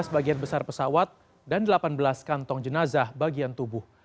delapan belas bagian besar pesawat dan delapan belas kantong jenazah bagian tubuh